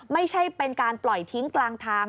ไม่ใช่เป็นการปล่อยทิ้งกลางทาง